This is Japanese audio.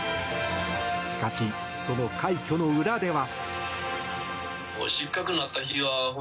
しかし、その快挙の裏では。